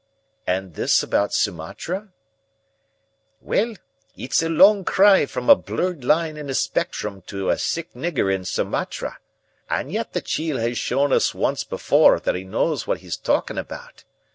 "And this about Sumatra?" "Well, it's a long cry from a blurred line in a spectrum to a sick nigger in Sumatra. And yet the chiel has shown us once before that he knows what he's talking about.